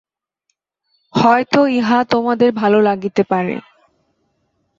হয়তো ইহা তোমাদের ভাল লাগিতে পারে।